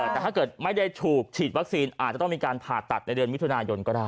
แต่ถ้าเกิดไม่ได้ถูกฉีดวัคซีนอาจจะต้องมีการผ่าตัดในเดือนมิถุนายนก็ได้